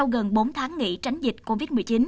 gần bốn tháng nghỉ tránh dịch covid một mươi chín